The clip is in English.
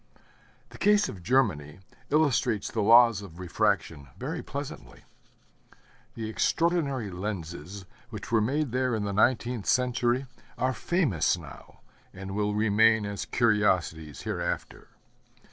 The case of Germany illustrates the laws of refraction very pleasantly. The extraordinary lenses which were made there in the nineteenth century are famous now, and will remain as curiosities hereafter.